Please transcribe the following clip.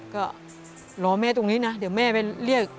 ก็รอแม่ตรงนี้นะเดี๋ยวแม่ไปเรียก